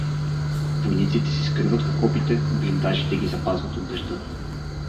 Войниците се скриват в окопите, блиндажите ги запазват от дъжда.